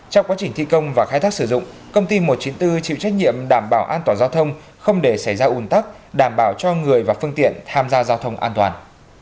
trong quá trình thi công và khai thác sử dụng công ty một trăm chín mươi bốn chịu trách nhiệm đảm bảo an toàn giao thông không để xảy ra ủn tắc đảm bảo cho người và phương tiện tham gia giao thông an toàn